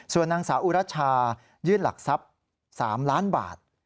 ส่วนนางสาวอุรัชชายื่นหลักทรัพย์๓ล้านบาท